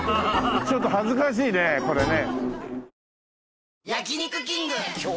ちょっと恥ずかしいねこれね。